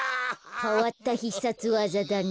かわったひっさつわざだね。